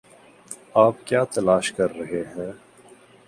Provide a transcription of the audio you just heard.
آپ کیا تلاش کر رہے ہیں؟